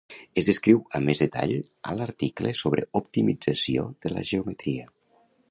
Es descriu amb més detall a l'article sobre optimització de la geometria.